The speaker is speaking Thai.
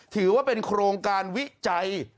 ถือว่าเป็นโครงการวิจัย